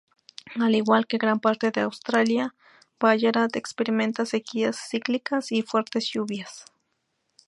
Al igual que gran parte de Australia, Ballarat experimenta sequías cíclicas y fuertes lluvias.